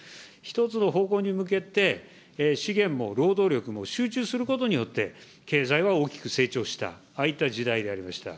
１つの方向に向けて、資源も労働力も集中することによって、経済は大きく成長した、ああいった時代でありました。